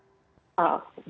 jadi misalnya perbedaan data